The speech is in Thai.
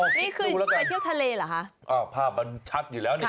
ไปเที่ยวทะเลเหรอคะอ้าวภาพมันชัดอยู่แล้วนี่